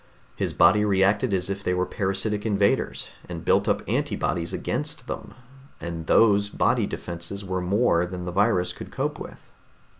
His body reacted as if they were parasitic invaders, and built up antibodies against them. And those body defenses were more than the virus could cope with."